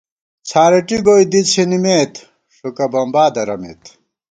څھارېٹی گوئی دی څِھنِمېت، ݭُکہ بمبا درَمېت